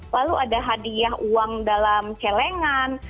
lalu ada hadiah uang dalam celengan